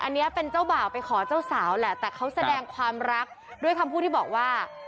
อันนี้เป็นเจ้าบ่าวไปขอเจ้าสาวแหละแต่เขาแสดงความรักด้วยคำพูดที่บอกว่า